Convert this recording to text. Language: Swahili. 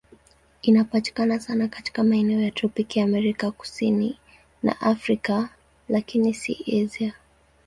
Inapatikana sana katika maeneo ya tropiki Amerika Kusini na Afrika, lakini si Asia.